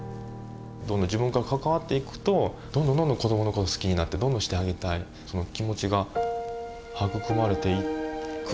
自分が関わっていくとどんどんどんどん子どもの事好きになってどんどんしてあげたいその気持ちが育まれていく。